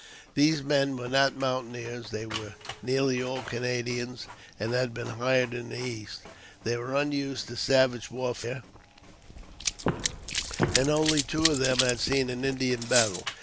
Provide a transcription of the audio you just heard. These men were not mountaineers ; they were nearly all Canadians, and had been hired in the East ; they were unused to savage warfare, and only two of them had seen an Indian battle.